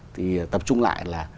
thì tập trung lại là